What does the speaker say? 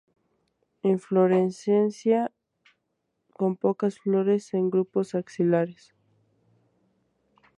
Inflorescencia con pocas flores en grupos axilares.